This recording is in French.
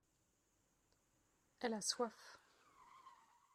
elle a soif.